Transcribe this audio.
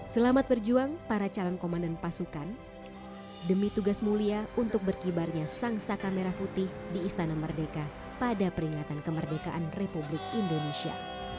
selamat berjuang para calon komandan pasukan demi tugas mulia untuk berkibarnya sang saka merah putih di istana merdeka pada peringatan kemerdekaan republik indonesia